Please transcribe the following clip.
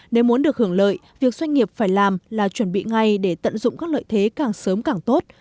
nếu muốn được hưởng lợi việc doanh nghiệp phải làm là chuẩn bị ngay để tận dụng các lợi thế càng sớm càng tốt